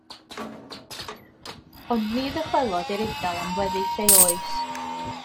Ond ni ddychwelodd i'r Eidal am weddill ei oes.